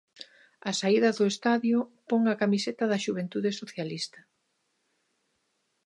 Á saída do estadio, pon a camiseta da Xuventude Socialista.